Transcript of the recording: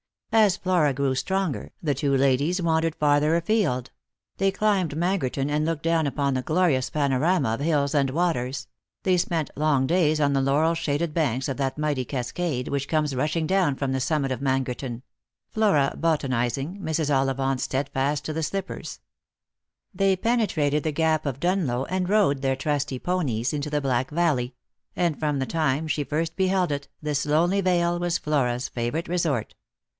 As Flora grew stronger, the two ladies wandered farther afield; they climbed Mangerton and looked down upon the glorious panorama of hills and waters ; they spent long days on the laurel shaded banks of that mighty cascade which comes rushing down from the summit of Man gerton ; Flora botanising, Mrs. Ollivant steadfast to the slippers They penetrated the gap of Dunloe, and rode their trusty ponies into the Black Valley; and from the time she first beheld it this lonely vale was Flora's favourite resort.